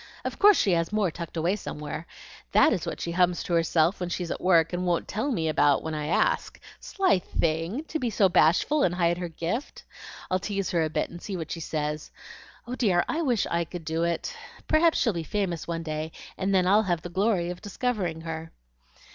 Of course she has more tucked away somewhere. That is what she hums to herself when she's at work, and won't tell me about when I ask. Sly thing! to be so bashful and hide her gift. I'll tease her a bit and see what she says. Oh dear, I wish I could do it! Perhaps she'll be famous some day, and then I'll have the glory of discovering her."